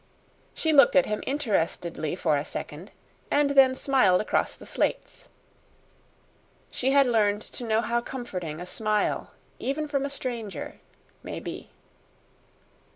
She looked at him interestedly for a second, and then smiled across the slates. She had learned to know how comforting a smile, even from a stranger, may be.